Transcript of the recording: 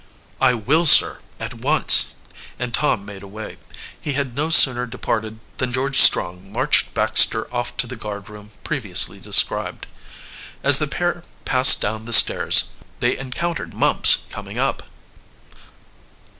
"I will sir at once," and Tom made away. He had no sooner departed than George Strong marched Baxter off to the guardroom previously described. As the pair passed down the stairs they encountered Mumps coming up.